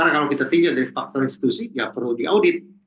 kalau kita tinjau dari faktor institusi ya perlu diaudit